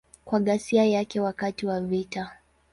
Kwa ghasia yake wakati wa vita.